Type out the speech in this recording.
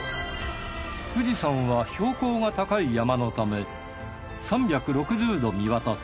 富士山は標高が高い山のため３６０度見渡せ